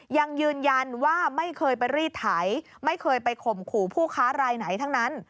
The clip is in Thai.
ยังยืนยันว่าไม่เคยไปรีดไถไม่เคยไปข่มขู่ผู้ค้ารายไหนทั้งนั้น